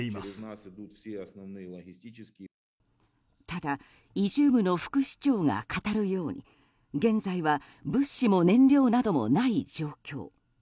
ただ、イジュームの副市長が語るように現在は物資も燃料などもない状況。